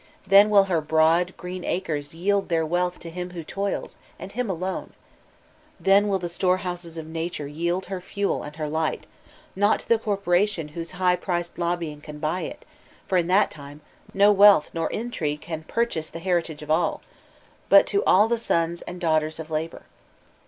Then will her broad, green acres yield their wealth to him who toils, and him alone ; then will the store houses of Nature yield her fuel and her light, not to the corpora tion whose high priced lobbying can buy it, for in that time no wealth nor intrigue can purchase the heritage of all, but to all the sons and dau|^ters of Labor.